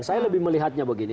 saya lebih melihatnya begini